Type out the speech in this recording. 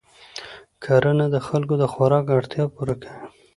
کرنه د خلکو د خوراک اړتیا پوره کوي